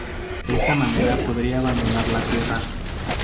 De esta manera podría abandonar la Tierra.